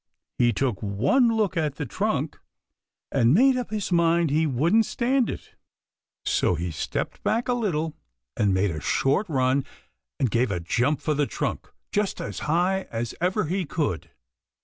He took one look at that trunk and made up his mind he wouldn't stand it. So he stepped back a little and made a short run and gave a jump for the trunk, just as high as ever he could.